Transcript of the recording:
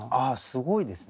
すごいですね。